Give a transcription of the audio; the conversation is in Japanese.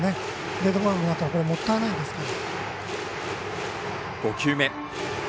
デッドボールになるともったいないですから。